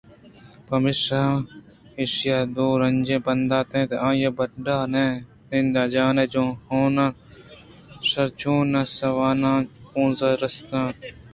پمیشا ایشاں درونج بندان اتک ءُ آئی ءِ بَڈّءَ نندان جان ءِ حوناناں شرچُونسان ءُ وَرَان ءَ آ پونز ءَ رسینتگ ات